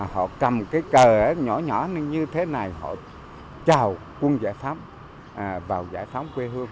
họ cầm cái cờ nhỏ nhỏ như thế này họ chào quân giải phóng vào giải phóng quê hương